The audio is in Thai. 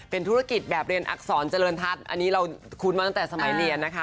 เป็นธุรกิจแบบเรียนอักษรเจริญทัศน์อันนี้เราคุ้นมาตั้งแต่สมัยเรียนนะคะ